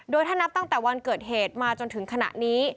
ถ้านับตั้งแต่วันเกิดเหตุมาจนถึงขณะนี้